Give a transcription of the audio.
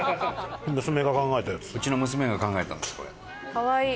かわいい。